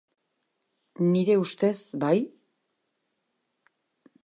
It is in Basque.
Nire ustez, bai.